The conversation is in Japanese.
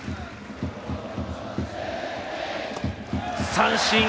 三振。